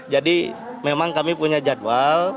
jadi memang kami punya jadwal